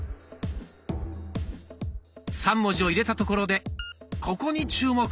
３文字を入れたところでここに注目！